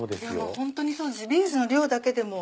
本当にそうビーズの量だけでも。